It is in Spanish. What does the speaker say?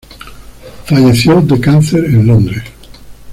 Falleció de cáncer en Londres.